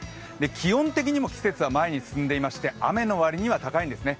気温的にも季節は前に進んでいまして雨の割には高いんですね。